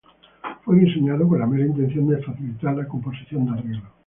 Fue diseñado con la mera intención de facilitar la composición de arreglos.